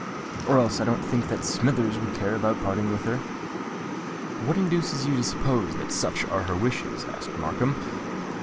Or else I don't think that Smithers would care about parting with her." "What induces you to suppose that such are her wishes?" asked Markham.